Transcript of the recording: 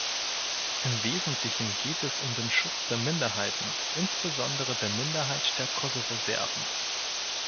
Im Wesentlichen geht es um den Schutz der Minderheiten, insbesondere der Minderheit der Kosovo-Serben.